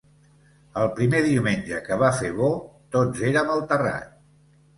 El primer diumenge que va fer bo, tots érem al terrat-